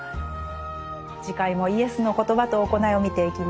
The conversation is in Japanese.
次回もイエスの言葉と行いを見ていきます。